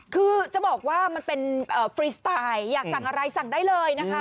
คือจะบอกว่ามันเป็นฟรีสไตล์อยากสั่งอะไรสั่งได้เลยนะคะ